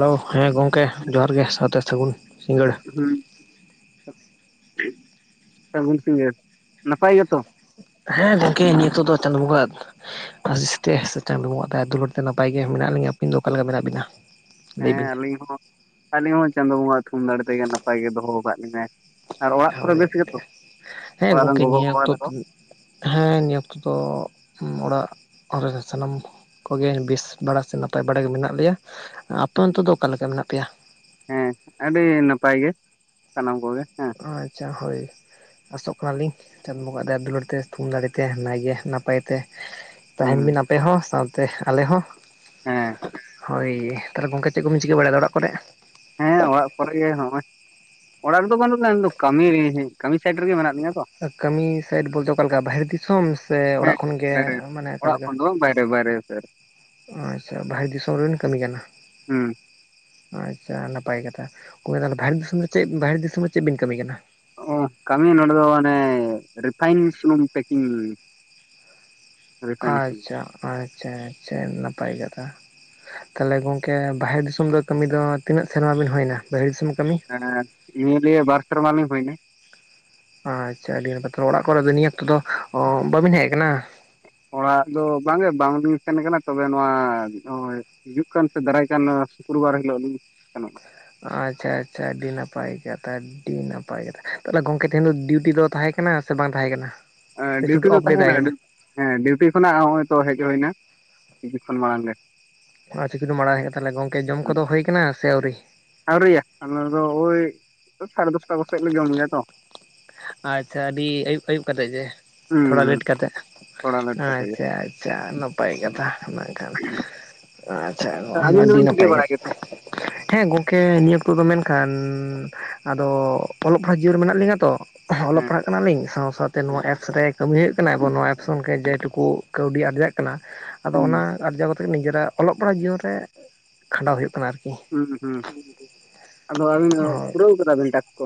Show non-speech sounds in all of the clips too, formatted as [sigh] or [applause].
Hello ᱦᱮᱸ ᱜᱚᱢᱠᱮ ᱡᱚᱦᱟᱨ ᱜᱮ, ᱥᱟᱶᱛᱮ ᱥᱟᱹᱜᱩᱱ ᱥᱤᱸᱜᱟᱹᱲ᱾ ᱦᱩᱸ [unintelligible] ᱱᱟᱯᱟᱭ ᱜᱮ ᱛᱚ? ᱦᱮᱸ ᱜᱚᱝᱠᱮ ᱱᱤᱛᱚᱜ ᱫᱚ ᱪᱟᱸᱫ ᱵᱚᱸᱜᱟ ᱟᱜ ᱟᱥᱤᱥᱛᱮ ᱥᱮ ᱪᱟᱸᱫᱚ ᱵᱚᱸᱜᱟᱟᱜ ᱫᱟᱭᱟ ᱫᱩᱞᱟᱹᱲ ᱛᱮ ᱱᱟᱯᱟᱭ ᱜᱮ ᱢᱮᱱᱟᱜ ᱞᱤᱧᱟᱹ ᱟᱹᱵᱤᱱ ᱫᱚ ᱚᱠᱟ ᱞᱮᱠᱟ ᱢᱮᱱᱟᱜ ᱵᱤᱱᱟ? ᱞᱟᱹᱭ ᱦᱮᱸ ᱵᱤᱱ ᱟᱹᱞᱤᱧ ᱦᱚᱸ ᱟᱹᱞᱤᱧ ᱦᱚᱸ ᱪᱟᱸᱫᱳ ᱵᱚᱸᱜᱟᱟᱜ ᱛᱷᱩᱢ ᱫᱟᱲᱮ ᱛᱮᱜᱮ ᱱᱟᱯᱟᱭ ᱜᱮ ᱫᱚᱦᱚ ᱟᱠᱟᱫ ᱞᱤᱧᱟᱭ᱾ ᱟᱨ ᱚᱲᱟᱜ ᱠᱚᱨᱮ ᱦᱳᱭ ᱵᱮᱥ ᱜᱮᱛᱚ᱾ ᱦᱮᱸ ᱚᱲᱟᱜ ᱨᱮᱱ ᱜᱚᱝᱠᱮ ᱜᱚᱜᱚ ᱱᱤᱭᱟᱹ ᱵᱟᱵᱟ ᱚᱠᱛᱚ ᱛᱟᱠᱚ᱾ ᱦᱮᱸ ᱱᱤᱭᱟᱹ ᱚᱠᱛᱚ ᱫᱚ ᱚᱲᱟᱜ ᱟᱞᱮ ᱥᱟᱱᱟᱢ ᱠᱚᱜᱮ ᱵᱮᱥ ᱵᱟᱲᱟ ᱥᱮ ᱱᱟᱯᱟᱭ ᱵᱟᱲᱟᱜ ᱜᱮ ᱢᱮᱱᱟᱜ ᱞᱮᱭᱟ᱾ ᱟᱯᱮ ᱚᱱᱛᱮ ᱫᱚ ᱚᱠᱟ ᱞᱮᱠᱟ ᱢᱮᱱᱟᱜ ᱯᱮᱭᱟ? ᱦᱮᱸ ᱟᱹᱰᱤ ᱱᱟᱯᱟᱭ ᱜᱮ ᱥᱟᱱᱟᱢ ᱠᱚᱜᱮ ᱦᱮᱸ᱾ ᱟᱪᱷᱟ ᱦᱳᱭ᱾ ᱟᱥᱚᱜ ᱠᱟᱱᱟᱞᱤᱧ ᱪᱟᱸᱫ ᱵᱚᱸᱜᱟᱟᱜ ᱫᱟᱭᱟ ᱫᱩᱞᱟᱹᱲ ᱛᱮ ᱛᱷᱩᱢ ᱫᱟᱲᱮᱛᱮ ᱱᱟᱭ ᱜᱮᱮ ᱱᱟᱯᱟᱭ ᱛᱮ ᱛᱟᱦᱮᱱ ᱦᱩᱸ ᱵᱤᱱ ᱟᱯᱮ ᱦᱚᱸ ᱥᱟᱶᱛᱮ ᱟᱞᱮ ᱦᱚᱸ᱾ ᱦᱮᱸ ᱦᱳᱭ ᱛᱟᱦᱚᱞᱮ ᱜᱚᱢᱠᱮ ᱪᱮᱫ ᱠᱚᱵᱤᱱ ᱪᱤᱠᱟᱹ ᱵᱟᱲᱟᱭᱫᱟ ᱚᱲᱟᱜ ᱠᱚᱨᱮ? ᱦᱮᱸ ᱚᱲᱟᱜ ᱠᱚᱨᱮ ᱜᱮ ᱱᱚᱜᱼᱚᱭ, ᱚᱲᱟᱜ ᱨᱮᱫᱚ ᱵᱟᱹᱱᱩᱜ ᱞᱟᱧ ᱤᱧ ᱫᱚ ᱠᱟᱹᱢᱤ ᱠᱟᱹᱢᱤ ᱥᱟᱭᱤᱴ ᱨᱮᱜᱮ ᱢᱮᱱᱟᱜᱼᱟ᱾ ᱠᱟᱹᱢᱤ ᱥᱟᱭᱤᱴ ᱵᱚᱞᱛᱮ ᱚᱠᱟᱞᱮᱠᱟ ᱵᱟᱦᱨᱮ ᱫᱤᱥᱚᱢ ᱥᱮ ᱦᱮᱸ ᱚᱲᱟᱜ ᱠᱷᱚᱱᱜᱮ ᱵᱟᱭᱨᱮ ᱢᱟᱱᱮ? ᱚᱲᱟᱜ ᱠᱷᱚᱱ ᱫᱚᱢ ᱵᱟᱭᱨᱮ ᱵᱟᱭᱨᱮ ᱥᱮ ᱟᱪᱷᱟ ᱵᱟᱦᱨᱮ ᱫᱤᱥᱚᱢ ᱨᱮᱱ ᱠᱟᱹᱢᱤ ᱠᱟᱱᱟ᱾ ᱦᱩᱸ ᱟᱪᱷᱟ ᱱᱟᱯᱟᱭ ᱠᱟᱛᱷᱟ᱾ ᱩᱱ ᱢᱮ ᱛᱟᱦᱮ ᱵᱟᱦᱨᱮ ᱫᱤᱥᱚᱢ ᱨᱮ ᱪᱮᱫ ᱵᱟᱦᱨᱮ ᱫᱤᱥᱚᱢ ᱨᱮ ᱪᱮᱫ ᱵᱤᱱ ᱠᱟᱹᱢᱤ ᱠᱟᱱᱟ? ᱚ ᱠᱟᱹᱢᱤ ᱱᱚᱰᱮ ᱫᱚ ᱟᱱᱮ ᱨᱤᱯᱷᱟᱤᱱ ᱥᱩᱱᱩᱢ ᱯᱮᱠᱤᱝ ᱨᱤᱯᱷᱟᱭᱤᱱ ᱥᱩᱱᱩᱢ ᱟᱸᱪᱪᱷᱟ ᱟᱸᱪᱪᱷᱟ ᱟᱸᱪᱪᱷᱟ ᱱᱟᱯᱟᱭ ᱠᱟᱛᱷᱟ ᱛᱟᱦᱞᱮ ᱜᱚᱝᱠᱮ ᱵᱟᱦᱨᱮ ᱫᱤᱥᱚᱢ ᱫᱚ ᱠᱟᱹᱢᱤ ᱫᱚ ᱛᱤᱱᱟᱹᱜ ᱥᱮᱨᱢᱟ ᱵᱤᱱ ᱦᱩᱭᱱᱟ ᱵᱟᱦᱨᱮ ᱫᱤᱥᱚᱢ ᱠᱟᱹᱢᱤ ᱦᱮᱸ ᱱᱤᱭᱟᱹᱞᱤᱭᱟᱹ ᱵᱟᱨ ᱥᱮᱨᱢᱟ ᱞᱤᱧ ᱦᱩᱭᱱᱟ ᱟᱪᱷᱟ ᱟᱹᱰᱤ ᱱᱟᱯᱟᱭ ᱛᱟᱦᱮ ᱚᱲᱟᱜ ᱠᱚᱨᱮ ᱫᱚ ᱱᱤᱭᱟᱹ ᱚᱠᱛᱚ ᱫᱚ ᱵᱟᱹᱵᱤᱱ ᱦᱮᱡ ᱟᱠᱟᱱᱟ? ᱚᱲᱟᱜ ᱫᱚ ᱵᱟᱝᱮ ᱵᱟᱝᱞᱤᱧ ᱥᱮᱱ ᱠᱟᱱᱟ ᱛᱚᱵᱮ ᱱᱚᱣᱟ ᱦᱚᱭ ᱦᱤᱡᱩᱜ ᱠᱟᱱ ᱥᱮ ᱫᱟᱨᱟᱭ ᱠᱟᱱ ᱥᱩᱠᱨᱵᱟᱨ ᱦᱤᱞᱚᱜ ᱞᱤᱧ ᱥᱮᱱᱚᱜᱼᱟ᱾ ᱟᱪᱷᱟ ᱟᱪᱷᱟ ᱟᱹᱰᱤ ᱱᱟᱯᱟᱭ ᱠᱟᱛᱷᱟ᱾ ᱟᱹᱰᱤ ᱱᱟᱯᱟᱭ ᱠᱟᱛᱷᱟ ᱾ ᱛᱟᱦᱚᱞᱮ ᱜᱚᱝᱠᱮ ᱛᱮᱦᱮᱧ ᱫᱚ ᱰᱤᱭᱩᱴᱤ ᱫᱚ ᱛᱟᱦᱮᱸ ᱠᱟᱱᱟ ᱥᱮ ᱵᱟᱝ ᱛᱟᱦᱮᱸ ᱠᱟᱱᱟ? ᱥᱮ ᱪᱷᱩᱴᱤ ᱰᱤᱭᱩᱴᱤ ᱫᱚ ᱚᱯᱷ ᱰᱮ ᱛᱟᱦᱮᱸ ᱛᱟᱦᱮᱱᱟ ᱠᱟᱱᱟ? ᱰᱤ, ᱦᱮᱸ ᱰᱤᱭᱩᱴᱤ ᱠᱷᱚᱱᱟᱜ ᱦᱚᱜᱚᱭᱛᱚ ᱦᱮᱡ ᱦᱩᱭᱱᱟ᱾ ᱛᱤᱥ ᱠᱷᱚᱱ ᱢᱟᱲᱟᱝ ᱨᱮ᱾ ᱟᱨ ᱪᱤᱠᱟᱹᱛᱮᱢ ᱵᱟᱲᱟᱭ ᱠᱮᱫᱟ ᱛᱟᱦᱚᱞᱮ ᱜᱚᱝᱠᱮ ᱡᱚᱢ ᱠᱚᱫᱚ ᱦᱩᱭ ᱟᱠᱟᱱᱟ ᱥᱮ ᱟᱹᱣᱨᱤ? ᱟᱣᱨᱤᱭᱟ ᱟᱞᱮ ᱫᱚ ᱳᱭ ᱥᱟᱲᱮ ᱫᱚᱥᱴᱟ ᱠᱚᱥᱮᱫ ᱞᱮ ᱡᱚᱢ ᱜᱮᱭᱟ ᱛᱚ᱾ ᱟᱪᱷᱟ ᱟᱹᱰᱤ ᱟᱭᱩᱵ ᱟᱹᱭᱩᱵ ᱠᱟᱛᱮᱫ ᱜᱮ, ᱦᱩᱸ ᱛᱷᱚᱲᱟ ᱦᱩᱸ ᱞᱮᱴ ᱠᱟᱛᱮᱮᱫ᱾ ᱛᱷᱚᱲᱟ ᱞᱮᱴ ᱠᱟᱛᱮ ᱜᱮ ᱟᱪᱷᱟ ᱟᱪᱷᱟ ᱱᱟᱯᱟᱭ ᱠᱟᱛᱷᱟ ᱵᱟᱝᱠᱷᱟᱱ ᱾ ᱟᱪᱪᱷᱟ [inaudible] ᱟᱹᱵᱤᱱ ᱟᱹᱰᱤ ᱫᱚᱵᱤᱱ ᱪᱤᱠᱟᱹ ᱱᱟᱯᱟᱭ ᱜᱮ ᱵᱟᱲᱟᱭ ᱜᱮᱛᱮ ᱦᱮᱸ ᱜᱚᱢᱠᱮ ᱱᱤᱭᱟᱹ ᱚᱠᱛᱚ ᱫᱚ ᱢᱮᱱᱠᱷᱟᱱ ᱟᱫᱚ ᱚᱞᱚᱜ ᱯᱟᱲᱦᱟᱜ ᱡᱤᱭᱚᱱ ᱨᱮ ᱢᱮᱱᱟᱜ ᱞᱤᱧᱟᱹ ᱛᱚ ᱚᱞᱚᱜ ᱦᱮᱸ ᱯᱟᱲᱦᱟᱜ ᱠᱟᱱᱟᱞᱤᱧ ᱥᱟᱶ ᱥᱟᱶᱛᱮ ᱱᱚᱣᱟ ᱦᱮᱸ ᱮᱯᱥ ᱨᱮ ᱠᱟᱹᱢᱤ ᱦᱩᱭᱩᱜ ᱠᱟᱱᱟ ᱮᱵᱚᱝ ᱱᱚᱣᱟ ᱮᱯᱥ ᱨᱮ ᱡᱮᱴᱩᱠᱩ ᱠᱟᱹᱣᱰᱤ ᱟᱨᱡᱟᱜ ᱠᱟᱱᱟ ᱟᱫᱚ ᱚᱱᱟ ᱦᱩᱸ ᱟᱨᱡᱟᱣ ᱠᱟᱛᱮ ᱜᱮ ᱱᱤᱡᱮᱨᱟᱜ ᱚᱞᱚᱜ ᱯᱟᱲᱦᱟᱜ ᱡᱤᱭᱚᱱ ᱨᱮ ᱠᱷᱟᱸᱰᱟᱣ ᱦᱩᱭᱩᱜ ᱠᱟᱱᱟ ᱟᱨᱠᱤ ᱦᱩᱸ ᱦᱩᱸ ᱟᱫᱚ ᱟᱹᱵᱤᱱ ᱦᱳᱭ ᱯᱩᱨᱟᱹᱣ ᱟᱠᱟᱫᱟᱵᱤᱱ ᱴᱟᱠᱥ ᱠᱚ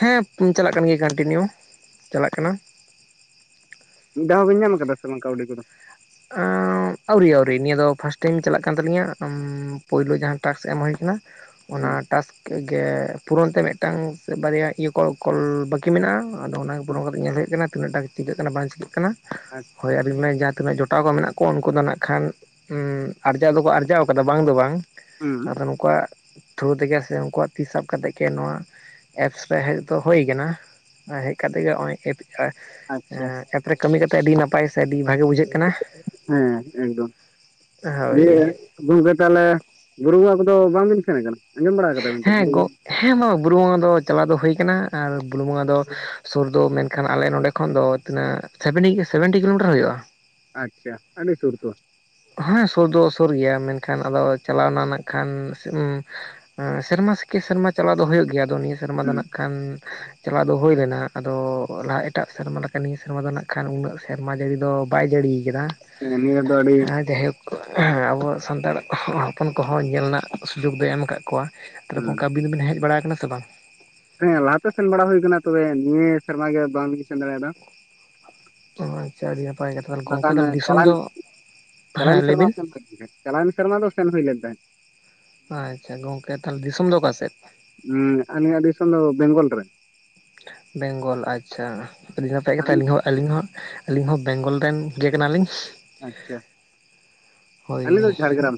ᱦᱮᱸ ᱪᱟᱞᱟᱜ ᱠᱟᱱ ᱜᱮᱭᱟ ᱠᱟᱱᱴᱤᱱᱤᱭᱩ ᱪᱟᱞᱟᱜ ᱠᱟᱱᱟ ᱢᱤᱫ ᱫᱷᱟᱣ ᱦᱚᱸᱵᱤᱱ ᱧᱟᱢ ᱠᱟᱫᱟ ᱥᱮ ᱵᱟᱝ ᱠᱟᱹᱣᱰᱤ ᱠᱚᱫᱚ ᱟᱹᱣᱨᱤ ᱟᱹᱣᱨᱤ ᱱᱤᱭᱟᱹ ᱫᱚ ᱯᱷᱟᱥᱴ ᱴᱟᱭᱤᱢ ᱪᱟᱞᱟᱜ ᱠᱟᱱ ᱛᱟᱹᱞᱤᱧᱟ ᱯᱳᱭᱞᱩ ᱡᱟᱦᱟᱸ ᱴᱟᱠᱥ ᱮᱢ ᱦᱩᱭ ᱠᱟᱱᱟ ᱦᱩᱸ ᱚᱱᱟ ᱴᱟᱠᱥ ᱜᱮ ᱯᱩᱨᱚᱱ ᱛᱮ ᱢᱤᱫᱴᱟᱝ ᱥᱮ ᱵᱟᱨᱭᱟ ᱤᱭᱟᱹ ᱠᱚ ᱠᱚᱞ ᱵᱟᱠᱤ ᱵᱟᱠᱤ ᱢᱮᱱᱟᱜᱼᱟ ᱟᱫᱚ ᱚᱱᱟᱜᱮ ᱯᱩᱨᱚᱱ ᱠᱟᱛᱮ ᱧᱮᱞ ᱦᱩᱭᱩᱜ ᱠᱟᱱᱟ ᱛᱤᱱᱟᱹᱜ ᱴᱟᱜ ᱪᱤᱠᱟᱹᱜ ᱠᱟᱱᱟ ᱵᱟᱝ ᱪᱤᱠᱟᱹᱜ ᱠᱟᱱᱟ ᱟᱪᱪᱷᱟ ᱦᱳᱭ [inaudible] ᱛᱤᱱᱟᱹᱜ ᱡᱚᱴᱟᱣ ᱠᱚ ᱢᱮᱱᱟᱜ ᱠᱚᱣᱟ ᱩᱱᱠᱩ ᱫᱚ ᱱᱟᱜ ᱠᱷᱟᱱ ᱟᱨᱡᱟᱣ ᱫᱚᱠᱚ ᱟᱨᱡᱟᱣ ᱟᱠᱟᱫᱟ ᱵᱟᱝ ᱫᱚ ᱵᱟᱝ ᱦᱩᱸ ᱟᱫᱚ ᱱᱩᱠᱩᱣᱟᱜ ᱛᱷᱨᱩ ᱛᱮᱜᱮ ᱥᱮ ᱩᱱᱩᱠᱩᱣᱟᱜ ᱛᱤ ᱥᱟᱵ ᱠᱟᱛᱮ ᱜᱮ ᱱᱚᱣᱟ ᱮᱯᱥ ᱨᱮ ᱦᱮᱡ ᱫᱚ ᱦᱩᱭ ᱟᱠᱟᱱᱟ ᱦᱮᱡ ᱠᱟᱛᱮᱜ ᱜᱮ ᱱᱚᱜᱚᱭ ᱟᱪᱪᱷᱟ [inaudible] ᱮᱯ ᱨᱮ ᱠᱟᱹᱢᱤ ᱠᱟᱛᱮᱫ ᱟᱹᱰᱤ ᱱᱟᱯᱟᱭ ᱥᱮ ᱟᱹᱰᱤ ᱵᱷᱟᱜᱮ ᱵᱩᱡᱷᱟᱹᱜ ᱠᱟᱱᱟ ᱦᱮᱸ ᱮᱠᱫᱚᱢ ᱦᱳᱭ ᱤᱭᱟ. ᱜᱚᱝᱠᱮ ᱛᱟᱦᱚᱞᱮ ᱵᱩᱨᱩ ᱵᱚᱸᱜᱟ ᱠᱚᱫᱚ ᱵᱟᱝᱵᱤᱱ ᱥᱮᱱ ᱟᱠᱟᱱᱟ ᱟᱸᱡᱚᱢ ᱵᱟᱲᱟ ᱠᱟᱫᱟᱵᱤᱱ ᱛᱚ [inaudible] ᱦᱮᱸ ᱜᱚ ᱦᱮᱸ ᱢᱟ ᱵᱩᱨᱩ ᱵᱚᱸᱜᱟ ᱫᱚ ᱪᱟᱞᱟᱣ ᱫᱚ ᱦᱩᱭᱩᱠᱟᱱᱟ ᱟᱨ ᱵᱩᱨᱩ ᱵᱚᱸᱜᱟ ᱫᱚ ᱥᱩᱨ ᱫᱚ ᱢᱮᱱᱠᱷᱟᱱ ᱟᱞᱮ ᱱᱚᱰᱮ ᱠᱷᱚᱱ ᱫᱚ ᱛᱤᱱᱟᱹᱜ ᱥᱮᱵᱷᱮᱱᱴᱤ [inaudible] ᱥᱮᱵᱷᱮᱱᱴᱤ ᱠᱤᱞᱳᱢᱤᱴᱟᱨ ᱦᱩᱭᱩᱜᱼᱟ ᱟᱪᱪᱷᱟ ᱟᱹᱰᱤ ᱥᱩᱨ ᱛᱚ ᱦᱮᱸ ᱥᱩᱨ ᱫᱚ ᱥᱩᱨ ᱜᱮᱭᱟ ᱢᱮᱱᱠᱷᱟᱱ ᱟᱫᱚ ᱪᱟᱞᱟᱣᱱᱟ ᱠᱷᱟᱱ ᱥᱮᱨᱢᱟ ᱠᱮ ᱥᱮᱨᱢᱟ ᱪᱟᱞᱟᱣ ᱫᱚ ᱦᱩᱭᱩᱜ ᱜᱮᱭᱟ ᱟᱫᱚ ᱱᱤᱭᱟᱹ ᱥᱮᱨᱢᱟ ᱫᱚ ᱦᱮᱸ ᱱᱟᱜ ᱠᱷᱟᱱ ᱪᱟᱞᱟᱣ ᱫᱚ ᱦᱩᱭ ᱞᱮᱱᱟ ᱟᱫᱚ ᱞᱟᱦᱟ ᱮᱴᱟᱜ ᱥᱮᱨᱢᱟ ᱞᱮᱠᱟ ᱱᱤᱭᱟᱹ ᱥᱮᱨᱢᱟ ᱫᱚ ᱱᱟᱜ ᱠᱷᱟᱱ ᱩᱱᱟᱹᱜ ᱥᱮᱨᱢᱟ ᱡᱟᱹᱲᱤ ᱫᱚ ᱵᱟᱭ ᱡᱟᱹᱲᱤᱭ ᱟᱠᱟᱫᱟ [unintelligible] ᱱᱤᱭᱟᱹ ᱫᱚ ᱟᱹᱰᱤ ᱡᱟᱭᱦᱳᱠ ᱟᱵᱚ ᱥᱟᱱᱛᱟᱲ ᱦᱚᱯᱚᱱ ᱠᱚᱦᱚᱸ ᱧᱮᱞ ᱨᱮᱱᱟᱜ ᱥᱩᱡᱳᱜᱽ ᱫᱚᱭ ᱮᱢ ᱟᱠᱟᱫ ᱠᱚᱣᱟ ᱛᱟᱦᱞᱮ ᱦᱮᱸ ᱜᱚᱝᱠᱮ ᱟᱵᱤᱱ ᱫᱚᱵᱤᱱ ᱦᱮᱡ ᱵᱟᱲᱟ ᱟᱠᱟᱱᱟ ᱥᱮ ᱵᱟᱝ ᱦᱮᱸ ᱞᱟᱦᱟᱛᱮ ᱥᱮᱱ ᱵᱟᱲᱟ ᱦᱩᱭ ᱟᱠᱟᱱᱟ ᱛᱚᱵᱮ ᱱᱤᱭᱟᱹ ᱥᱮᱨᱢᱟ ᱜᱮ ᱵᱟᱝᱞᱤ ᱥᱮᱱ ᱫᱟᱲᱮᱭᱟᱫᱟ ᱟᱪᱪᱷᱟ ᱟᱹᱰᱤ ᱱᱟᱯᱟᱭ ᱠᱟᱛᱷᱟ ᱜᱚᱝᱠᱮ ᱛᱟᱦᱚᱞᱮ ᱫᱤᱥᱚᱢ ᱫᱚ ᱪᱟᱞᱟᱣ ᱮᱱ ᱦᱮᱸ ᱞᱟᱹᱭ ᱥᱮᱨᱢᱟ ᱵᱤᱱ [inaudible] ᱪᱟᱞᱟᱣ ᱮᱱ ᱥᱮᱨᱢᱟ ᱫᱚ ᱥᱮᱱ ᱦᱩᱭ ᱞᱮᱱ ᱛᱟᱦᱮᱸᱫ ᱟᱪᱪᱷᱟ ᱜᱚᱝᱠᱮ ᱛᱟᱦᱚᱞᱮ ᱫᱤᱥᱚᱢ ᱫᱚ ᱚᱠᱟ ᱥᱮᱫ ᱩᱸᱜ ᱟᱹᱞᱤᱧᱟᱜ ᱫᱤᱥᱚᱢ ᱫᱚ ᱵᱮᱝᱜᱚᱞᱨᱮ ᱵᱮᱝᱜᱚᱞ ᱟᱪᱪᱷᱟ ᱟᱹᱰᱤ ᱱᱟᱯᱟᱭ ᱠᱟᱛᱷᱟ ᱟᱹᱵᱤᱱ ᱟᱞᱤᱧ ᱦᱚᱸ ᱟᱹᱞᱤᱧ ᱦᱚᱸ ᱟᱹᱞᱤᱧ ᱦᱚᱸ ᱵᱮᱝᱜᱚᱞ ᱨᱮᱱ ᱜᱮ ᱠᱟᱱᱟᱞᱤᱧ ᱟᱪᱪᱷᱟ ᱦᱳᱭ ᱟᱹᱞᱤᱧ ᱫᱚ ᱡᱷᱟᱲᱜᱨᱟᱢ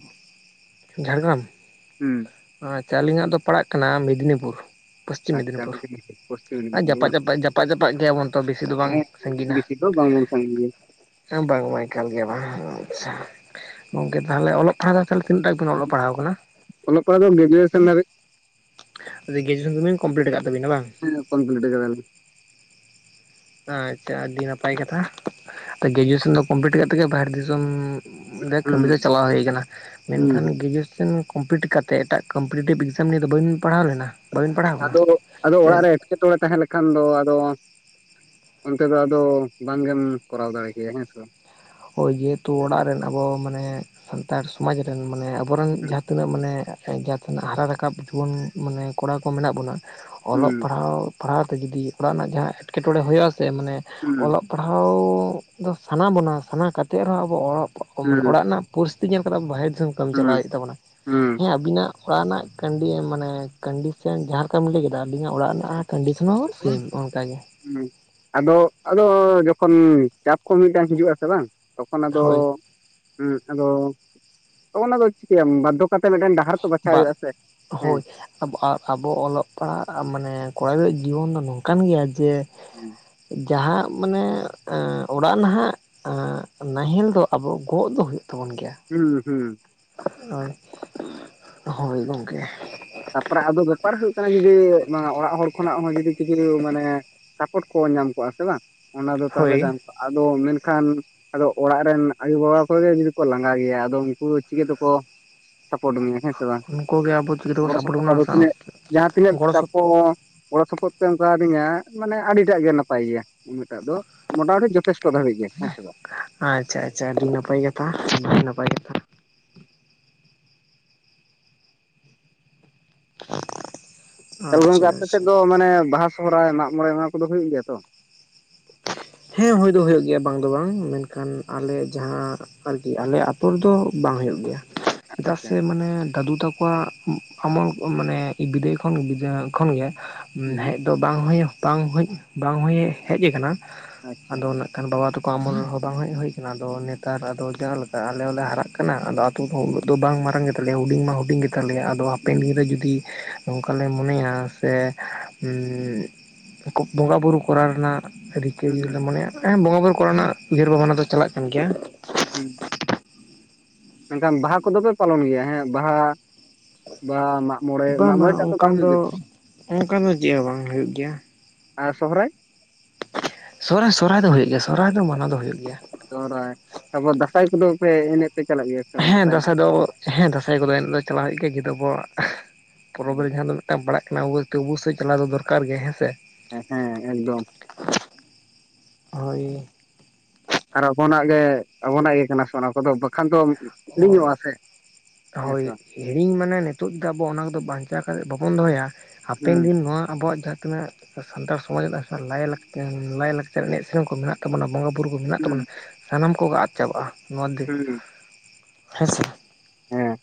ᱡᱷᱟᱲᱜᱨᱟᱢ ᱦᱩᱸ ᱟᱪᱪᱷᱟ ᱟᱹᱞᱤᱧᱟᱜ ᱫᱚ ᱯᱟᱲᱟᱜ ᱠᱟᱱᱟ ᱢᱮᱫᱽᱱᱤᱯᱩᱨ ᱯᱚᱥᱪᱤᱢ ᱟᱪᱪᱷᱟ ᱢᱮᱫᱽᱱᱤᱯᱩᱨ ᱯᱚᱥᱪᱤᱢ ᱟᱨ ᱢᱮᱫᱽᱱᱤᱯᱩᱨ ᱡᱟᱯᱟᱜ ᱵᱟᱝ ᱡᱟᱯᱟᱜ ᱡᱟᱯᱟᱜ ᱡᱟᱯᱟᱜ ᱜᱮᱭᱟᱵᱚᱱ ᱛᱚ ᱵᱤᱥᱤ ᱫᱚ ᱵᱟᱝ ᱵᱤᱥᱤ ᱫᱚ ᱵᱟᱝ ᱵᱚᱱ ᱥᱟᱹᱜᱤᱧ ᱜᱮᱭᱟ᱾ ᱦᱮᱸ ᱵᱟᱝᱢᱟ ᱮᱠᱟᱞ ᱜᱮᱭᱟ ᱵᱟᱝ [inaudible] ᱜᱚᱝᱠᱮ ᱛᱟᱦᱚᱞᱮ ᱚᱞᱚᱜ ᱯᱟᱲᱦᱟᱣ ᱫᱚ ᱛᱤᱱᱟᱹᱜ ᱴᱟ ᱵᱤᱱ ᱚᱞᱚᱜ ᱯᱟᱲᱦᱟᱣ ᱟᱠᱟᱱᱟ ᱚᱞᱚᱜ ᱯᱟᱲᱦᱟᱜ ᱫᱚ ᱜᱨᱮᱡᱩᱭᱮᱥᱚᱱ ᱫᱷᱟᱹᱨᱤᱡ ᱜᱨᱮᱡᱩᱭᱮᱥᱚᱱ ᱫᱚᱵᱤᱱ ᱠᱚᱢᱯᱞᱤᱴ ᱠᱟᱫ ᱛᱟᱵᱤᱱᱟ ᱵᱟᱝ ᱦᱮᱸ ᱠᱚᱢᱯᱞᱤᱴ ᱟᱠᱟᱫᱟᱞᱤᱧ ᱟᱪᱪᱷᱟ ᱟᱹᱰᱤ ᱱᱟᱯᱟᱭ ᱠᱟᱛᱷᱟ ᱜᱨᱮᱡᱩᱭᱮᱥᱚᱱ ᱫᱚ ᱠᱚᱢᱯᱞᱤᱴ ᱠᱟᱜ ᱛᱮᱜᱮ ᱵᱟᱦᱨᱮ ᱫᱤᱥᱚᱢ ᱚᱸᱰᱮ ᱦᱩᱸ ᱠᱟᱹᱢᱤ ᱨᱮ ᱪᱟᱞᱟᱣ ᱦᱩᱭ ᱠᱟᱱᱟ ᱦᱩᱸ ᱢᱮᱱᱠᱷᱟᱱ ᱜᱨᱮᱡᱩᱭᱮᱥᱚᱱ ᱠᱚᱢᱯᱞᱤᱴ ᱠᱟᱛᱮ ᱮᱴᱟᱜ ᱠᱚᱢᱯᱤᱴᱤᱴᱤᱵᱽ ᱮᱠᱡᱟᱢ ᱱᱤᱭᱮ ᱫᱚ ᱵᱟᱹᱵᱤᱱ ᱯᱟᱲᱦᱟᱣ ᱞᱮᱱᱟ ᱵᱟᱹᱵᱤᱱ ᱯᱟᱲᱦᱟᱣ ᱟᱠᱟᱱᱟ ᱟᱫᱚ ᱟᱫᱚ ᱛᱮ ᱚᱲᱟᱜ ᱨᱮ ᱮᱸᱴᱠᱮᱴᱚᱬᱮ ᱛᱟᱦᱮᱸ ᱞᱮᱠᱷᱟᱱ ᱫᱚ ᱟᱫᱚ ᱚᱱᱛᱮ ᱫᱚ ᱟᱫᱚ ᱵᱟᱝ ᱜᱮᱢ ᱠᱚᱨᱟᱣ ᱫᱟᱲᱮ ᱠᱮᱭᱟ ᱦᱮᱸᱥᱮ ᱵᱟᱝ᱾ ᱦᱳᱭ ᱡᱮᱦᱮᱛᱩ ᱚᱲᱟᱜ ᱨᱮᱱ ᱟᱵᱚ ᱢᱟᱱᱮ ᱱᱮᱛᱟᱨ ᱥᱚᱢᱟᱡᱽ ᱨᱮᱱ ᱢᱟᱱᱮ ᱟᱵᱚᱨᱮᱱ ᱡᱟᱦᱟᱸ ᱛᱤᱱᱟᱹᱜ ᱢᱟᱱᱮ ᱡᱟᱦᱟᱸ ᱛᱤᱱᱟᱹᱜ ᱦᱟᱨᱟ ᱨᱟᱠᱟᱵ ᱡᱩᱣᱟᱹᱱ ᱢᱟᱱᱮ ᱠᱚᱲᱟ ᱠᱚ ᱢᱮᱱᱟᱜ ᱵᱚᱱᱟ ᱚᱞᱚᱜ ᱦᱩᱸ ᱯᱟᱲᱦᱟᱣ ᱯᱟᱲᱦᱟᱣ ᱛᱮ ᱡᱩᱫᱤ ᱚᱲᱟᱜ ᱨᱮᱱᱟᱜ ᱡᱟᱦᱟᱸ ᱮᱴᱠᱮᱴᱚᱲᱮ ᱦᱩᱭᱩᱜ-ᱟ ᱥᱮ ᱢᱟᱱ ᱦᱩᱸ ᱚᱞᱚᱜ ᱯᱟᱲᱦᱟᱣ ᱫᱚ ᱥᱟᱱᱟ ᱵᱚᱱᱟ᱾ ᱥᱟᱱᱟ ᱠᱟᱛᱮᱫ ᱨᱮᱦᱚᱸ ᱟᱵᱚ ᱚᱞᱚᱜ ᱢᱟᱱᱮ ᱦᱩᱸ ᱚᱲᱟᱜ ᱨᱮᱱᱟᱜ ᱯᱚᱨᱤᱥᱛᱤᱛᱤ ᱧᱮᱞ ᱠᱟᱛᱮᱫ, ᱟᱵᱚ ᱵᱟᱦᱨᱮ ᱫᱤᱥᱚᱢ ᱠᱟᱹᱢᱤ ᱪᱟᱞᱟᱣ ᱦᱩᱸ ᱦᱩᱭᱩᱜ ᱛᱟᱵᱚᱱᱟ᱾ ᱦᱩᱸ ᱟᱵᱤᱱᱟᱜ ᱚᱲᱟᱜ ᱨᱮᱱᱟᱜ [unintelligible] ᱢᱟᱱᱮ ᱥᱮ ᱡᱟᱦᱟᱸ ᱞᱮᱠᱟᱢ ᱞᱟᱹᱭ ᱠᱮᱫᱟ ᱟᱹᱞᱤᱧᱟᱜ ᱚᱲᱟᱜ ᱨᱮᱱᱟᱜ ᱠᱚᱱᱰᱤᱥᱚᱱ ᱦᱚᱸ ᱥᱮᱢ ᱚᱱᱠᱟ ᱜᱮ ᱟᱫᱚ ᱟᱫᱚ ᱡᱚᱠᱷᱚᱱ ᱪᱟᱯ ᱠᱚ ᱢᱤᱫᱴᱟᱝ ᱦᱤᱡᱩᱜ-ᱟ ᱥᱮ ᱵᱟᱝ ᱛᱚᱠᱷᱚᱱ ᱟᱫᱚ ᱦᱳᱭ ᱦᱮᱸ ᱟᱫᱚ ᱛᱚᱠᱷᱚᱱ ᱟᱫᱚ ᱪᱤᱠᱟᱹᱭᱟᱢ ᱵᱟᱫᱽᱫᱷᱚ ᱠᱟᱛᱮ ᱢᱤᱫᱴᱮᱱ ᱰᱟᱠ ᱰᱟᱦᱟᱨ ᱛᱚ ᱵᱟᱪᱷᱟᱣ ᱦᱩᱭᱩᱜ ᱟᱥᱮ ᱦᱮᱸ ᱟᱵᱚ ᱟᱜ ᱟᱵᱚ ᱚᱞᱚᱜ ᱯᱟᱲᱦᱟᱜ ᱢᱟᱱᱮ ᱠᱚᱲᱟ ᱜᱤᱫᱽᱨᱟᱹ ᱡᱤᱭᱵᱚᱱ ᱫᱚ ᱱᱚᱝᱠᱟ ᱠᱟᱱ ᱜᱮᱭᱟ ᱡᱮ ᱡᱟᱦᱟᱸ ᱢᱟᱱᱮ ᱚᱲᱟᱜ ᱱᱟᱦᱟᱜ ᱱᱟᱦᱮᱞ ᱫᱚ ᱟᱵᱚ ᱜᱚᱜ ᱫᱚ ᱦᱩᱭᱩᱜ ᱛᱟᱵᱚᱱ ᱜᱮᱭᱟ᱾ ᱦᱩᱸ ᱦᱩᱸ ᱦᱳᱭ ᱦᱳᱭ ᱜᱚᱝᱠᱮ ᱛᱟᱯᱚᱨᱮ ᱟᱫᱚ ᱵᱮᱯᱟᱨ ᱦᱩᱭᱩᱜ ᱠᱟᱱᱟ, ᱡᱩᱫᱤ ᱚᱲᱟᱜ ᱦᱚᱲ ᱠᱷᱚᱱᱟᱜ ᱦᱚᱸ ᱡᱩᱫᱤ ᱠᱤᱪᱷᱩ ᱢᱟᱱᱮ ᱥᱟᱯᱚᱴ ᱠᱚ ᱧᱟᱢ ᱠᱚᱜ-ᱟ ᱥᱮ ᱵᱟᱝ ᱚᱱᱟ ᱫᱚ ᱛᱟᱦᱚᱞᱮ ᱦᱳᱭ ᱜᱟᱢ ᱠᱚᱜ-ᱟ? ᱟᱫᱚ ᱢᱮᱱᱠᱷᱟᱱ ᱟᱫᱚ ᱚᱲᱟᱜ ᱨᱮᱱ ᱟᱭᱳ-ᱵᱟᱵᱟ ᱠᱚᱜᱮ ᱡᱩᱫᱤ ᱠᱚ ᱞᱟᱸᱜᱟ ᱜᱮᱭᱟ ᱟᱫᱚ ᱩᱱᱠᱩ ᱪᱤᱠᱟᱹ ᱛᱮᱠᱚ ᱥᱟᱯᱳᱨᱴ ᱢᱮᱭᱟ ᱦᱮᱸ ᱥᱮ ᱵᱟᱝ? ᱩᱱᱠᱩ ᱜᱮ ᱟᱵᱚ ᱜᱤᱫᱽᱨᱟᱹ ᱠᱚ ᱜᱚᱲᱚ ᱥᱟᱯᱚᱴ ᱥᱚᱯᱚᱦᱚᱫ ᱵᱚᱱᱟ ᱟᱫᱚ ᱛᱤᱱᱟᱹᱜ ᱡᱟᱦᱟᱸ ᱛᱤᱱᱟᱹᱜ ᱜᱚᱲᱚ ᱥᱚᱯ ᱛᱟᱠᱚ ᱜᱚᱲᱚ ᱥᱚᱯᱚᱦᱚᱫ ᱮᱢ ᱠᱟᱫᱤᱧᱟ ᱢᱟᱱᱮ ᱟᱹᱰᱤᱴᱟᱜ ᱜᱮ ᱱᱟᱯᱟᱭ ᱜᱮᱭᱟ ᱩᱱᱟᱹᱜ ᱴᱟᱜ ᱫᱚ ᱢᱚᱴᱟᱢᱩᱴᱤ ᱡᱚᱛᱷᱮᱥᱴᱚ ᱱᱤᱛᱟᱹᱜ ᱫᱷᱟᱹᱵᱤᱡ ᱜᱮ ᱦᱮᱸᱥᱮ ᱵᱟᱝ ᱟᱪᱪᱷᱟ ᱟᱪᱪᱷᱟ ᱟᱹᱰᱤ ᱱᱟᱯᱟᱭ ᱠᱟᱛᱷᱟ ᱟᱹᱰᱤ ᱱᱟᱯᱟᱭ ᱠᱟᱛᱷᱟ ᱛᱟᱦᱚᱞᱮ ᱟᱪᱪᱷᱟ ᱜᱚᱝᱠᱮ ᱟᱯᱮ ᱟᱪᱪᱷᱟ ᱥᱮᱫ ᱫᱚ ᱢᱟᱱᱮ ᱵᱟᱦᱟ ᱥᱚᱦᱚᱨᱟᱭ ᱢᱟᱜ ᱢᱚᱬᱮ᱾ ᱚᱱᱟ ᱠᱚᱫᱚ ᱦᱩᱭᱩᱜ ᱜᱮᱭᱟ ᱛᱚ᱾ ᱦᱮᱸ ᱦᱩᱭ ᱫᱚ ᱦᱩᱭᱩᱜ ᱜᱮᱭᱟ ᱵᱟᱝ ᱫᱚ ᱵᱟᱝ ᱢᱮᱱᱠᱷᱟᱱ ᱟᱞᱮ ᱡᱟᱦᱟᱸ ᱟᱨᱠᱤ ᱟᱞᱮ ᱟᱹᱛᱩ ᱨᱮᱫᱚ ᱵᱟᱝ ᱦᱩᱭᱩᱜ ᱜᱮᱭᱟ, ᱪᱮᱫᱟᱜ ᱟᱪᱪᱷᱟ ᱥᱮ ᱢᱟᱱᱮ ᱫᱟᱫᱩ ᱛᱟᱠᱚᱣᱟᱜ ᱟᱢᱚᱞ ᱢᱟᱱᱮ ᱵᱤᱫᱟᱹᱭ ᱠᱷᱚᱱ ᱵᱟᱹᱡᱟ ᱠᱷᱚᱱᱜᱮ ᱦᱩᱸ ᱦᱮᱡ ᱟᱫᱚ ᱵᱟᱝ ᱦᱚᱭ ᱵᱟᱝ ᱦᱳᱭ ᱵᱟᱝ ᱦᱳᱭ ᱦᱮᱡ ᱟᱠᱟᱱᱟ ᱟᱪᱪᱷᱟ ᱟᱫᱚ ᱵᱟᱵᱟ ᱛᱟᱠᱚ ᱚᱢᱚᱞ ᱦᱚᱸ ᱵᱟᱝ ᱦᱮᱡ ᱦᱩᱭ ᱟᱠᱟᱱᱟ᱾ ᱟᱫᱚ ᱱᱮᱛᱟᱨ ᱟᱫᱚ ᱡᱟᱦᱟᱸ ᱞᱮᱠᱟ ᱟᱞᱮ ᱦᱚᱸ ᱞᱮ ᱦᱟᱨᱟᱜ ᱠᱟᱱᱟ᱾ ᱠᱟᱱᱟ ᱟᱫᱚ ᱟᱛᱳ ᱩᱱᱟᱹᱜ ᱫᱚ ᱵᱟᱝ ᱢᱟᱨᱟᱝ ᱜᱮᱛᱟᱞᱮᱭᱟ ᱦᱩᱰᱤᱧ ᱢᱟ ᱦᱩᱰᱤᱧ ᱜᱮᱛᱟᱞᱮᱭᱟ ᱟᱫᱚ ᱦᱩᱸ ᱦᱟᱯᱮᱱ ᱫᱤᱱ ᱨᱮ ᱡᱩᱫᱤ ᱱᱚᱝᱠᱟ ᱞᱮ ᱢᱚᱱᱮᱭᱟ ᱥᱮ ᱵᱚᱸᱜᱟ ᱵᱩᱨᱩ ᱠᱚᱨᱟᱣ ᱨᱮᱱᱟᱜ ᱨᱤᱠᱟᱹ ᱡᱩᱫᱤ ᱞᱮ ᱦᱩᱸ ᱢᱚᱱᱮᱭᱟ ᱦᱮᱸ ᱵᱚᱸᱜᱟ ᱵᱩᱨᱩ ᱠᱚᱨᱮᱱᱟᱜ ᱩᱭᱦᱟᱹᱨ ᱵᱷᱟᱵᱱᱟ ᱫᱚ ᱪᱟᱞᱟᱜ ᱠᱟᱱ ᱜᱮᱭᱟ᱾ ᱦᱩᱸ ᱮᱠᱫᱚᱢ ᱵᱟᱦᱟ ᱠᱚᱫᱚ ᱯᱮ ᱯᱟᱞᱚᱱ ᱜᱮᱭᱟ ᱦᱮᱸ ᱵᱟᱦᱟ ᱵᱟ ᱢᱟᱜ ᱢᱚᱬᱮ ᱢᱟᱜ ᱢᱚᱬᱮ ᱴᱟᱜ ᱫᱚ ᱵᱟᱝ ᱦᱩᱭᱩᱜ ᱜᱮᱛᱚ ᱾ ᱚᱱᱠᱟ ᱱᱚ ᱡᱮ ᱦᱚᱸ ᱵᱟᱝ ᱦᱳᱭᱳᱜ ᱜᱮᱭᱟ᱾ ᱟᱨ ᱥᱚᱦᱚᱨᱟᱭ ᱥᱚᱨᱦᱟᱭ ᱥᱚᱨᱦᱟᱭ ᱫᱚ ᱦᱩᱭᱩᱜ ᱜᱮᱭᱟ᱾ ᱥᱚᱨᱷᱟᱭ ᱫᱚ ᱢᱟᱱᱟᱣ ᱫᱚ ᱦᱩᱭᱩᱜ ᱜᱮᱭᱟ᱾ ᱥᱚᱦᱚᱨᱟᱭ ᱛᱟᱨᱯᱚᱨᱮ ᱫᱟᱸᱥᱟᱭ ᱠᱚᱫᱚᱯᱮ ᱮᱱᱮᱡ ᱯᱮ ᱪᱟᱞᱟᱜ ᱜᱮᱭᱟ ᱥᱮ ᱵᱟᱝ ᱦᱮᱸ ᱫᱟᱸᱥᱟᱭ ᱮᱱᱮᱡ? ᱫᱚ ᱦᱮᱸ ᱫᱟᱸᱥᱟᱭ ᱠᱚᱫᱚ ᱮᱱᱮᱡ ᱫᱚ ᱪᱟᱞᱟᱜ ᱦᱩᱭᱩᱜ ᱜᱮᱭᱟ [unintelligible] ᱯᱚᱨᱚᱵᱽ ᱨᱮ ᱡᱟᱦᱟᱸ ᱫᱚ ᱯᱟᱲᱟᱜ ᱠᱟᱱᱟ [unintelligible] ᱥᱮᱫ ᱪᱟᱞᱟᱣ ᱫᱚᱨᱠᱟᱨ ᱜᱮ ᱦᱮᱸ ᱥᱮ ᱦᱮᱸ ᱮᱠᱫᱚᱢ ᱦᱳᱭ ᱟᱨ ᱟᱵᱚᱱᱟᱜ ᱜᱮ ᱟᱵᱚᱱᱟᱜ ᱜᱮ ᱠᱟᱱᱟ ᱥᱮ ᱚᱱᱟ ᱠᱚᱫᱚ ᱵᱟᱠᱷᱟᱱ ᱫᱚ, ᱦᱳᱭ ᱞᱤᱧᱚᱜ ᱟ ᱥᱮ ᱦᱮᱸᱥᱮ ᱦᱳᱭ ᱵᱟᱝ ᱦᱤᱲᱤᱧ ᱢᱟᱱᱮ ᱱᱤᱛᱚᱜ ᱫᱚ ᱟᱵᱚ ᱚᱱᱟ ᱠᱚᱫᱚ ᱵᱟᱧᱪᱟᱣ ᱠᱟᱛᱮᱫ ᱵᱟᱵᱚᱱ ᱫᱚᱦᱚᱭᱟ ᱦᱟᱯᱮᱱ ᱦᱩᱸ ᱫᱤᱱ ᱱᱚᱣᱟ ᱟᱵᱚᱣᱟᱜ ᱡᱟᱦᱟᱸ ᱛᱤᱱᱟᱹᱜ ᱥᱮ ᱥᱟᱱᱛᱟᱲ ᱥᱚᱢᱟᱡᱽ ᱨᱮᱱᱟᱜ ᱞᱟᱭ ᱞᱟᱠᱪᱟ ᱞᱟᱭ ᱞᱟᱠᱪᱟᱨ ᱮᱱᱮᱡ ᱥᱮᱨᱮᱧ ᱠᱚ ᱢᱮᱱᱟᱜ ᱟᱠᱟᱫᱟ ᱛᱟᱵᱚᱱᱟ ᱵᱚᱸᱜᱟ ᱵᱩᱨᱩ ᱠᱚ ᱢᱮᱱᱟᱜ ᱦᱩᱸ ᱛᱟᱵᱚᱱᱟ ᱥᱟᱱᱟᱢ ᱠᱚᱜᱮ ᱟᱫ ᱪᱟᱵᱟᱜ-ᱟ ᱱᱚᱣᱟ ᱫᱚ᱾ ᱦᱩᱸ ᱦᱮᱸ ᱥᱮ ᱦᱮᱸ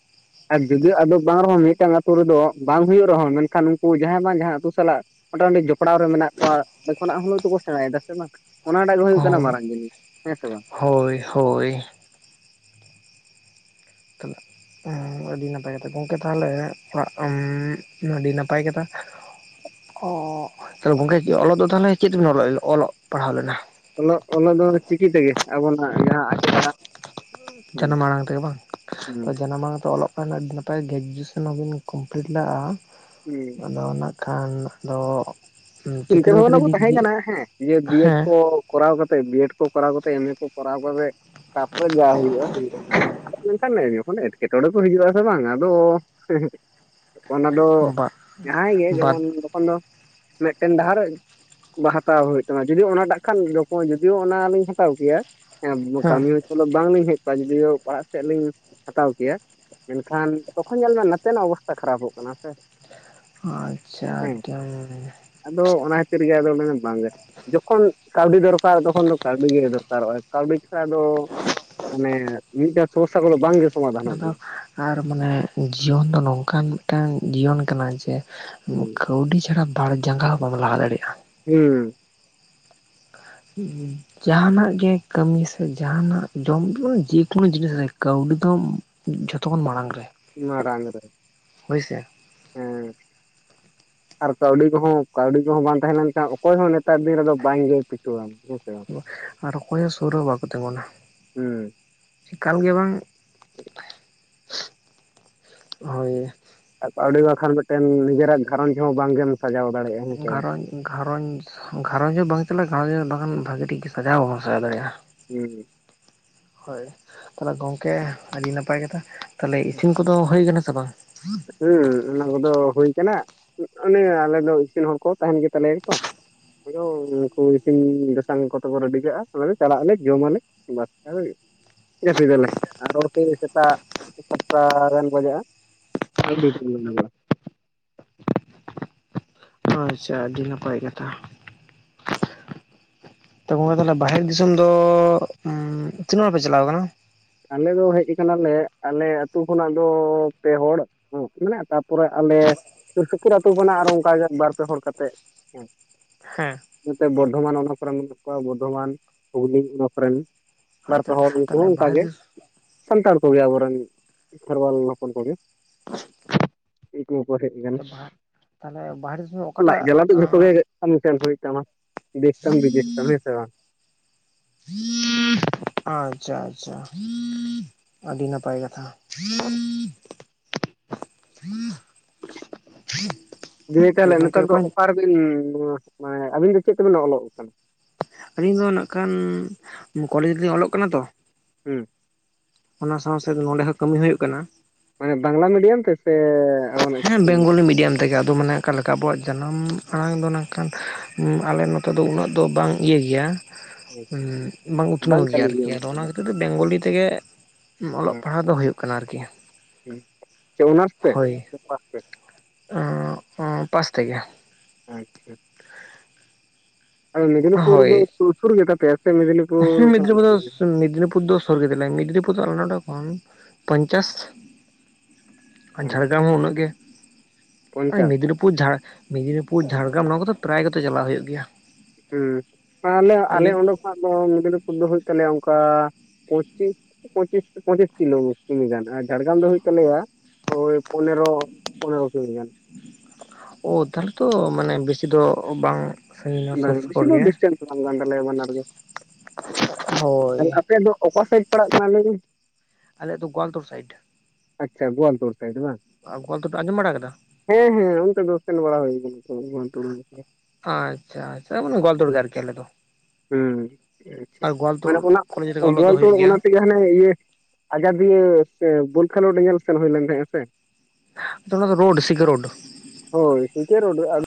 ᱟᱨ ᱡᱩᱫᱤᱳ ᱟᱫᱚ ᱵᱟᱝ ᱨᱮᱦᱚᱸ ᱢᱤᱫᱴᱟᱝ ᱟᱹᱛᱩ ᱨᱮᱫᱚ ᱵᱟᱝ ᱦᱩᱭᱩᱜ ᱨᱮᱦᱚᱸ ᱢᱮᱱ ᱠᱷᱟᱱ ᱩᱱᱠᱩ ᱡᱟᱦᱟᱸᱭ ᱵᱟᱝ ᱡᱟᱦᱟᱸ ᱟᱹᱛᱩ ᱥᱟᱞᱟᱜ ᱢᱚᱴᱟᱢᱩᱴᱤ ᱡᱚᱯᱲᱟᱣ ᱨᱮ ᱢᱮᱱᱟᱜ ᱠᱚᱣᱟ ᱠᱷᱚᱱᱳᱜ ᱦᱚᱸᱱᱟᱜ ᱫᱚᱠᱚ ᱥᱮᱬᱟᱭᱮᱫᱟ ᱥᱮ ᱵᱟᱝ ᱚᱱᱟᱴᱟᱜ ᱜᱮ ᱦᱩᱭᱩᱜ ᱠᱟᱱᱟ᱾ ᱦᱳᱭ ᱢᱟᱨᱟᱝ ᱡᱤᱱᱤᱥ ᱦᱮᱸ ᱥᱮ ᱵᱟᱝ ᱦᱳᱭ ᱦᱳᱭ ᱠᱟᱱᱟ [unintelligible] ᱷ ᱟᱹᱰᱤ ᱱᱟᱯᱟᱭ ᱠᱟᱛᱷᱟ ᱜᱚᱢᱠᱮ ᱛᱟᱦᱞᱮ ᱚᱷ ᱟᱹᱰᱤ ᱱᱟᱯᱟᱭ ᱠᱟᱛᱷᱟ ᱚᱷ ᱛᱟᱦ ᱜᱚᱝᱠᱮ ᱚᱞᱚᱜ ᱫᱚ ᱛᱟᱦᱚᱞᱮ ᱪᱮᱫ ᱵᱤᱱ ᱚᱞᱚᱜ ᱯᱟᱲᱦᱟᱣ ᱞᱮᱱᱟ ᱚᱞᱚᱜ ᱚᱞᱚᱜ ᱫᱚ ᱪᱤᱠᱤ ᱛᱮᱜᱮ ᱟᱵᱚᱱᱟᱜ ᱡᱟᱦᱟᱸ ᱟᱭᱳ ᱟᱲᱟᱜ ᱡᱟᱱᱟᱢ ᱟᱲᱟᱝ ᱛᱮᱜᱮ ᱵᱟᱝ ᱦᱩᱸ ᱡᱟᱱᱟᱢ ᱟᱲᱟᱝ ᱛᱮ ᱚᱞᱚᱜ ᱟᱨ ᱟᱹᱰᱤ ᱱᱟᱯᱟᱭ ᱜᱮ ᱨᱮᱡᱩᱭᱮᱥᱚᱱ ᱦᱚᱸᱵᱤᱱ ᱠᱚᱢᱯᱞᱤᱴ ᱞᱟᱜᱼᱟ᱾ ᱦᱮᱸ ᱟᱫᱚ ᱱᱟᱜ ᱠᱷᱟᱱ ᱫᱚ ᱪᱤᱱᱛᱟᱹ ᱵᱷᱟᱵᱱᱟ ᱠᱚ ᱛᱟᱦᱮᱸ ᱠᱟᱱᱟ ᱦᱮᱸ ᱡᱮ ᱰᱤᱭᱮᱴ ᱦᱮᱸ ᱠᱚ ᱠᱚᱨᱟᱣ ᱠᱟᱛᱮ ᱵᱤᱭᱮᱰ ᱠᱚ ᱠᱚᱨᱟᱣ ᱠᱟᱛᱮ ᱮᱢᱮ ᱠᱚ ᱠᱚᱨᱟᱣ ᱠᱟᱛᱮ ᱛᱟᱯᱚᱨᱮ ᱡᱟ ᱦᱩᱭᱩᱜᱼᱟ ᱦᱩᱭᱩᱜᱼᱮᱠᱷᱟᱱ ᱢᱟᱱᱮ ᱮᱸᱴᱠᱮᱴᱚᱬᱮ ᱠᱚ ᱦᱤᱡᱩᱜᱼᱟᱥᱮ ᱵᱟᱝ ᱟᱫᱚ ᱦᱮᱻᱦᱮ ᱚᱱᱟᱫᱚ ᱵᱟ ᱡᱟᱦᱟᱸᱭ ᱜᱮ ᱵᱟᱫ ᱡᱮᱢᱚᱱ ᱡᱚᱠᱦᱚᱱ ᱫᱚ ᱴᱮᱱ ᱰᱟᱦᱟᱨᱮ ᱵᱟ ᱦᱟᱛᱟᱣ ᱦᱩᱭᱩᱜ ᱛᱟᱢᱟ ᱡᱩᱫᱤᱭᱳ ᱚᱱᱟᱴᱟᱜ ᱠᱷᱟᱱ ᱫᱚᱠᱚ ᱡᱩᱫᱤᱭᱳ ᱚᱱᱟ ᱞᱤᱧ ᱦᱟᱛᱟᱣ ᱠᱮᱭᱟ ᱦᱮᱸ ᱵᱠᱟᱹᱢᱤ ᱦᱚᱸ ᱛᱚᱜ ᱫᱚ ᱵᱟᱝᱞᱤᱧ ᱦᱮᱡ ᱠᱚᱜᱼᱟ ᱡᱩᱫᱤᱭᱳ ᱯᱟᱲᱦᱟᱜ ᱥᱮᱜ ᱞᱤᱧ ᱦᱟᱛᱟᱣ ᱠᱮᱭᱟ᱾ ᱢᱮᱱ ᱠᱷᱟᱱ ᱛᱚᱠᱷᱚᱱ ᱧᱮᱞᱢᱮ ᱱᱟᱛᱮᱱᱟᱜ ᱚᱵᱚᱥᱛᱟ ᱠᱷᱟᱨᱟᱯᱚᱜ ᱠᱟᱱᱟ ᱥᱮ ᱟᱪᱪᱷᱟ ᱦᱮᱸ ᱟᱹᱰᱤᱢ ᱟᱫᱚ ᱚᱱᱟ ᱠᱷᱟᱹᱛᱤᱨ ᱜᱮ ᱟᱫᱚ ᱵᱟᱝ ᱜᱮ ᱡᱚᱠᱷᱚᱱ ᱠᱟᱣᱰᱤ ᱫᱚᱨᱠᱟᱨ ᱛᱚᱠᱷᱚᱱ ᱫᱚ ᱠᱟᱹᱣᱰᱤ ᱜᱮ ᱫᱚᱨᱠᱟᱨᱚᱜᱼᱟ ᱠᱟᱹᱣᱰᱤ ᱪᱷᱟᱲᱟ ᱫᱚ ᱢᱟᱱᱮ ᱢᱤᱫᱮᱴ ᱥᱚᱨᱥᱟ ᱠᱚᱫᱚ ᱵᱟᱝ ᱟᱫᱚ ᱟᱨ ᱢᱟᱱᱮ ᱡᱤᱭᱚᱱ ᱫᱚ ᱱᱚᱝᱠᱟᱱ ᱢᱤᱜᱴᱟᱝ ᱡᱤᱭᱚᱱ ᱠᱟᱱᱟ ᱡᱮ ᱦᱩᱸ ᱠᱟᱹᱣᱰᱤ ᱪᱷᱟᱲᱟ ᱵᱟᱨ ᱡᱟᱸᱜᱟ ᱦᱚᱸᱵᱟᱢ ᱞᱟᱦᱟ ᱫᱟᱲᱮᱭᱟᱜᱼᱟ ᱦᱩᱸ ᱦᱮᱸ ᱡᱟᱦᱟᱱᱟᱜ ᱜᱮ ᱠᱟᱹᱢᱤ ᱥᱮ ᱡᱟᱦᱟᱱᱟᱜ ᱡᱚᱢ ᱡᱮᱠᱳᱱᱳ ᱡᱤᱱᱤᱥ ᱨᱮ ᱠᱟᱹᱣᱰᱤ ᱫᱚᱢ ᱡᱷᱚᱛᱚ ᱠᱷᱚᱱ ᱢᱟᱲᱟᱝ ᱨᱮ ᱢᱟᱨᱟᱝ ᱨᱮ ᱦᱳᱭ ᱥᱮ [inaudible] ᱟᱨ ᱠᱟᱹᱣᱰᱤ ᱠᱚᱦᱚᱸ ᱠᱟᱹᱣᱰᱤ ᱠᱚᱦᱚᱸ ᱵᱟᱝ ᱛᱟᱦᱮᱸ ᱞᱮᱱ ᱠᱷᱟᱱ ᱚᱠᱚᱭ ᱦᱚᱸ ᱱᱮᱛᱟᱨ ᱫᱤᱱ ᱨᱮᱫᱚ ᱵᱟᱝ ᱜᱮ ᱯᱤᱪᱷᱩᱣᱟ ᱠᱚ ᱟᱨ ᱚᱠᱚᱭ ᱦᱚᱸ ᱥᱩᱨ ᱨᱮ ᱵᱟᱠᱚ ᱛᱤᱸᱜᱩᱱᱟ ᱦᱩᱸ ᱮᱠᱟᱞ ᱜᱮ ᱵᱟᱝ ᱦᱳᱭ ᱠᱟᱹᱣᱰᱤ ᱵᱟᱠᱷᱟᱱ ᱢᱤᱫᱴᱮᱱ ᱱᱤᱡᱮᱨᱟᱜ ᱜᱷᱟᱨᱚᱸᱡᱽ ᱦᱚᱸ ᱵᱟᱝᱜᱮᱢ ᱥᱟᱡᱟᱣ ᱫᱟᱲᱮᱭᱟᱜᱼᱟ ᱦᱮᱸ ᱥᱮ ᱵᱟᱝ ᱜᱷᱟᱨᱚᱸᱡᱽ ᱜᱷᱟᱨᱚᱸᱡᱽ ᱜᱷᱟᱨᱚᱸᱡᱽ ᱦᱚᱸ ᱵᱟᱝ ᱪᱟᱞᱟᱜ ᱜᱷᱟᱨᱚᱡᱽ ᱠᱷᱟᱱ ᱵᱷᱟᱜᱤ ᱴᱷᱤᱠ ᱥᱟᱡᱟᱣ ᱦᱚᱸ ᱵᱟᱵᱚᱱ ᱥᱟᱡᱟᱣ ᱫᱟᱲᱮᱜᱼᱟ᱾ ᱦᱩᱸ ᱦᱳᱭ ᱛᱟᱦᱚᱞᱮ ᱜᱚᱝᱠᱮ ᱟᱹᱰᱤ ᱱᱟᱯᱟᱭ ᱠᱟᱛᱷᱟ ᱛᱟᱞᱦᱮ ᱤᱥᱤᱱ ᱠᱚᱫᱚ ᱦᱩᱭ ᱟᱠᱟᱱᱟ ᱥᱮ ᱵᱟᱝ ᱦᱩᱸ ᱚᱱᱟ ᱠᱚᱫᱚ ᱦᱩᱭ ᱠᱟᱱᱟ ᱚᱱᱮ ᱟᱞᱮ ᱫᱚ ᱤᱥᱤᱱ ᱦᱚᱲ ᱠᱚ ᱛᱟᱦᱮᱱ ᱜᱮ ᱛᱟᱞᱮᱭᱟ ᱛᱚ᱾ ᱟᱭᱳᱣ ᱩᱱᱠᱩ ᱤᱥᱤᱱ ᱵᱟᱥᱟᱝ ᱠᱚᱛᱮ ᱠᱚ ᱨᱮᱰᱤ ᱠᱟᱜᱼᱟ ᱟᱞᱮᱫᱚ ᱪᱟᱞᱟᱜ ᱟᱞᱮ ᱡᱚᱢ ᱟᱞᱮ [unintelligible] ᱡᱟᱹᱯᱤᱫᱟᱞᱮ ᱟᱨᱚ ᱥᱮᱭ ᱥᱮᱛᱟᱜ ᱥᱟᱛᱴᱟ ᱜᱟᱱ ᱵᱟᱡᱟᱜᱼᱟ ᱟᱴ [unintelligible] ᱟᱪᱪᱷᱟ ᱟᱹᱰᱤ ᱱᱟᱯᱟᱭ ᱠᱟᱛᱷᱟ ᱛᱚ ᱜᱚᱝᱠᱮ ᱛᱟᱞᱦᱮ ᱵᱟᱦᱮᱨ ᱫᱤᱥᱚᱢ ᱫᱚ ᱩᱢᱻ ᱛᱤᱱᱟᱹᱜ ᱦᱚᱲ ᱯᱮ ᱪᱟᱞᱟᱣ ᱠᱟᱱᱟ? ᱟᱞᱮ ᱫᱚ ᱦᱮᱡ ᱟᱠᱟᱱᱟᱞᱮ ᱟᱞᱮ ᱟᱹᱛᱩ ᱠᱷᱚᱱᱟᱜ ᱫᱚ ᱯᱮ ᱦᱚᱲ ᱚᱱᱮ ᱵᱟᱠᱚ ᱢᱮᱱᱟ ᱛᱟᱯᱚᱨᱮ ᱟᱞᱮ ᱥᱩᱨ ᱥᱩᱯᱩᱨ ᱟᱹᱛᱩᱳ ᱠᱷᱟᱱᱟᱜ ᱟᱨᱚ ᱚᱱᱴᱝᱠᱟᱜᱮ ᱵᱟᱨ ᱯᱮ ᱦᱚᱲ ᱠᱟᱛᱮᱜ ᱦᱮᱸ ᱦᱮᱸ ᱱᱚᱛᱮ ᱵᱚᱨᱫᱷᱚᱢᱟᱱ ᱚᱱᱟ ᱠᱚᱨᱮᱱ ᱢᱮᱱᱟᱜ ᱠᱚᱣᱟ ᱵᱚᱨᱫᱷᱚᱢᱟᱱ ᱦᱩᱜᱽᱞᱤ ᱚᱱᱟ ᱠᱚᱨᱮᱱ ᱵᱟᱨᱯᱮ ᱟᱪᱪᱷᱟ ᱦᱚᱲ ᱩᱱᱠᱩ ᱛᱟᱦᱚᱞᱮ ᱦᱚᱸ ᱚᱱᱠᱟ ᱵᱟᱦᱮᱨ ᱜᱮ ᱫᱤᱥ ᱥᱟᱱᱛᱟᱲ ᱠᱚᱜᱮ ᱟᱵᱚᱨᱮᱱ ᱠᱷᱮᱨᱣᱟᱞ ᱦᱚᱯᱚᱱ ᱠᱚᱜᱮ [unintelligible] ᱛᱟᱦᱚᱞᱮ ᱵᱟᱦᱨᱮ ᱥᱚᱢᱚᱭ ᱚᱠᱟᱴᱟᱜ ᱠᱟᱢᱤ ᱥᱮᱱ ᱦᱩᱭ ᱛᱟᱢᱟ ᱫᱮᱥ ᱛᱟᱢ ᱵᱤᱫᱮᱥ ᱛᱟᱢ ᱦᱮᱸ ᱥᱮ ᱵᱟᱝ? ᱟᱪᱷᱟ ᱟᱪᱷᱟ ᱟᱹᱰᱤ ᱱᱟᱯᱟᱭ ᱠᱟᱛᱷᱟ [inaudible] ᱫᱤᱭᱮ ᱛᱚ ᱛᱟᱦᱮᱞᱮ ᱜᱚᱝᱠᱮ ᱱᱮᱛᱟᱨ ᱫᱚ ᱚᱠᱟ ᱚᱠᱟᱨᱮᱵᱤᱱ ᱟᱹᱵᱤᱱ ᱫᱚ ᱪᱮᱫ ᱛᱮᱵᱮᱱ ᱚᱞᱚᱜ ᱠᱟᱱᱟ? ᱟᱹᱞᱤᱧ ᱫᱚ ᱱᱟᱜ ᱠᱷᱟᱱ ᱠᱚᱞᱮᱡᱽ ᱨᱮᱞᱤᱧ ᱚᱞᱚᱜ ᱠᱟᱱᱟ ᱛᱚ ᱦᱮᱸ ᱚᱱᱟ ᱥᱟᱶ ᱥᱮᱫ ᱱᱚᱸᱰᱮ ᱦᱚᱸ ᱠᱟᱹᱢᱤ ᱦᱩᱭᱩᱜ ᱠᱟᱱᱟ᱾ ᱢᱟᱱᱮ ᱵᱟᱝᱞᱟ ᱢᱤᱰᱤᱭᱟᱢ ᱛᱮ ᱥᱮ ᱟᱵᱚᱱᱟᱜ ᱦᱮᱸ ᱵᱮᱝᱜᱚᱞᱤ ᱢᱤᱰᱤᱭᱟᱢ ᱛᱮᱜᱮ ᱟᱫᱚ ᱢᱟᱱᱮ ᱟᱠᱟᱞᱮᱠᱟ ᱟᱵᱚᱣᱟᱜ ᱡᱟᱱᱟᱢ ᱟᱲᱟᱝ ᱫᱚ ᱱᱟᱝᱠᱷᱟᱱ ᱟᱞᱮ ᱱᱚᱛᱮ ᱫᱚ ᱩᱱᱟᱹᱜ ᱫᱚ ᱵᱟᱝ ᱤᱭᱟᱹ ᱜᱮᱭᱟ ᱩᱸ ᱵᱟᱝ ᱩᱛᱱᱟᱹᱣ ᱜᱮᱭᱟ ᱟᱨᱠᱤ ᱟᱫᱚ ᱚᱱᱟ ᱠᱷᱟᱹᱛᱤᱨ ᱛᱮ ᱵᱮᱝᱜᱚᱞᱤ ᱛᱮᱜᱮ ᱚᱞᱚᱜ ᱯᱟᱲᱦᱟᱜ ᱫᱚ ᱦᱩᱭᱩᱜ ᱠᱟᱱᱟ ᱟᱨᱠᱤ ᱦᱩ ᱪᱮ ᱚᱱᱟᱨᱥ ᱛᱮ ᱦᱳᱭ ᱥᱮ ᱯᱟᱥ ᱛᱮ? ᱯᱟᱥ ᱛᱮᱜᱮ ᱟᱪᱷᱟ ᱟᱫᱚ ᱢᱮᱫᱽᱱᱤᱯᱩᱨ ᱫᱚ ᱦᱳᱭ ᱥᱩ ᱥᱩᱨ ᱜᱮᱛᱟᱯᱮᱭᱟ? ᱦᱮᱸ ᱢᱮᱫᱽᱱᱤᱯᱩᱨ ᱫᱚ ᱢᱮᱫᱽᱱᱤᱯᱩᱨ ᱫᱚ ᱥᱩᱨ ᱜᱮᱛᱟᱞᱮᱭᱟ ᱢᱤᱫᱫᱽᱱᱤᱯᱩᱨ ᱫᱚ ᱟᱞᱮ ᱱᱚᱸᱰᱮ ᱠᱷᱚᱱ ᱯᱚᱧᱪᱟᱥ ᱟ ᱡᱷᱟᱲᱜᱟᱢ ᱟᱪᱪᱷᱟ ᱦᱚᱸ ᱩᱱᱟᱹᱜ ᱜᱮ ᱚᱭ ᱯᱚᱧᱪᱟᱥ ᱢᱮᱫᱽᱱᱤ ᱯᱩᱨ ᱡᱷᱟᱲ ᱢᱮᱽᱱᱤᱯᱩᱨ ᱡᱷᱟᱲᱜᱮᱨᱟᱢ ᱱᱚᱣᱟ ᱠᱚᱫᱚ ᱯᱨᱟᱭ ᱜᱮᱛᱚ ᱪᱟᱞᱟᱜ ᱦᱩᱭᱩᱜ ᱜᱮᱭᱟ᱾ ᱦᱚᱸ ᱛᱟᱦᱞᱮ ᱟᱨ ᱟᱞᱮ ᱚᱸᱰᱮ ᱟᱫᱚ ᱢᱮᱫᱽᱱᱤᱯᱩᱨ ᱫᱚ ᱦᱩᱭᱩᱜ ᱛᱟᱞᱮᱭᱟ ᱚᱝᱠᱟ ᱯᱚᱸᱪᱤᱥ ᱯᱚᱸᱪᱤᱥ ᱯᱚᱸᱪᱤᱥ ᱠᱤᱞᱳ ᱠᱤᱢᱤ ᱜᱟᱱ ᱟᱨ ᱡᱷᱟᱲᱜᱟᱢ ᱫᱚ ᱦᱩᱭᱩᱜ ᱛᱟᱞᱮᱭᱟ ᱳᱭ ᱯᱚᱱᱮᱨᱚ ᱯᱚᱱᱮᱨᱚ ᱠᱤᱢᱤ ᱜᱟᱱ ᱳ ᱛᱟᱦᱚᱞᱮ ᱛᱚ ᱢᱟᱱᱮ ᱵᱮᱥᱤ ᱫᱚ ᱵᱟᱝ ᱥᱟᱺᱜᱤᱧᱟ ᱥᱩᱨ ᱵᱟᱝ ᱵᱤᱥᱤ ᱥᱩᱯᱩᱨ ᱫᱚ ᱜᱮᱭᱟ ᱰᱤᱥᱴᱮᱱᱥ ᱵᱟᱝ ᱠᱟᱱ ᱛᱟᱞᱮᱭᱟ ᱵᱟᱱᱟᱨ ᱜᱮ [unintelligible] ᱦᱳᱭ ᱟᱯᱮᱭᱟᱜ ᱫᱚ ᱚᱠᱟ ᱥᱟᱭᱤᱰ ᱯᱟᱲᱟᱜ ᱠᱟᱱᱟ ᱟᱞᱮᱭᱟᱜ ᱫᱚ ᱜᱳᱣᱟᱞᱛᱳᱲ ᱥᱟᱭᱤᱰ ᱟᱪᱪᱷᱟ ᱜᱳᱣᱟᱞᱛᱳᱲ ᱥᱟᱭᱤᱰ ᱵᱟᱝ ᱜᱳᱣᱟᱞᱛᱳᱲ ᱯᱮ ᱟᱸᱡᱚᱢ ᱵᱟᱲᱟ ᱠᱟᱫᱟ? ᱦᱮᱸ ᱦᱮᱸ ᱚᱱᱛᱮ ᱫᱚ ᱥᱮᱱ ᱵᱟᱲᱟ ᱦᱩᱭ [unintelligible] ᱟᱪᱷᱟ ᱟᱪᱷᱟ ᱢᱟᱱᱮ ᱜᱚᱣᱟᱞᱛᱳᱲ ᱜᱮ ᱟᱨᱠᱤ ᱟᱞᱮ ᱫᱚ᱾ ᱦᱮᱸ ᱟᱪᱷᱟ ᱟᱨ ᱜᱳᱣᱟᱞᱛᱳᱲ ᱢᱟᱱᱮ ᱚᱱᱟ ᱠᱚᱞᱮᱡᱽ ᱨᱮᱜᱮ ᱚᱞᱚᱜ ᱫᱚ ᱜᱚᱣᱟᱞᱛᱳᱲ ᱦᱩᱭᱩᱜ ᱜᱮᱭᱟ ᱚᱱᱟ ᱛᱮᱜᱮ ᱦᱟᱱᱮ ᱤᱭᱟᱹ ᱟᱡᱫᱤᱭᱟᱹ ᱥᱮ ᱵᱚᱞ ᱠᱷᱮᱞᱳᱰ ᱧᱮᱞ ᱥᱮᱱ ᱦᱩᱭ ᱞᱮᱱ ᱛᱟᱦᱮᱸᱜᱼᱟ ᱥᱮ ᱛᱚ ᱚᱱᱟ ᱫᱚ ᱨᱳᱰ ᱰᱤᱥᱤᱠᱟ ᱨᱳᱰ ᱦᱳᱭ ᱥᱤᱠᱮ ᱨᱳᱰ ᱟ